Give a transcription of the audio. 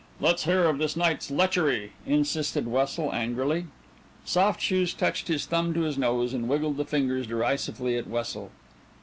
"Let's hear of this night's lechery!" insisted Wessel angrily. Soft Shoes touched his thumb to his nose and wiggled the fingers derisively at Wessel.